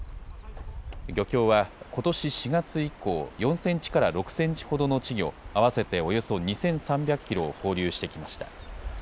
漁協は、ことし４月以降、４センチから６センチほどの稚魚、合わせておよそ２３００キロを放流してきました。